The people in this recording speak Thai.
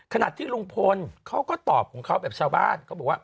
ขนาดที่ลุงพลตอบเขาเป็นชาวบ้าน